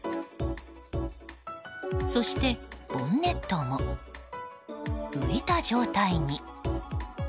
そしてボンネットも浮いた状態に。